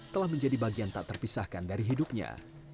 telah menjadi bagian tak terpisahkan dari hidupnya